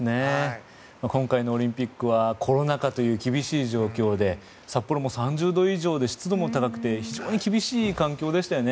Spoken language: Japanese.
今回のオリンピックはコロナ禍という厳しい状況で札幌も３０度以上で湿度も高くて非常に厳しい環境でしたよね。